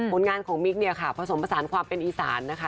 ผลงานของมิกเนี่ยค่ะผสมผสานความเป็นอีสานนะคะ